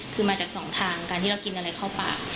คือมาจากสองทางการที่เรากินอะไรเข้าปาก